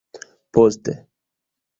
Poste.